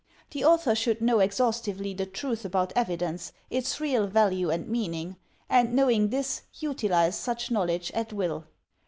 The author should know exhaustively the truth about evidence, its real value and meaning; and knowing this, utilize such knowledge at will.